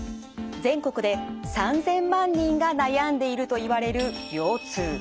全国で３，０００万人が悩んでいるといわれる腰痛。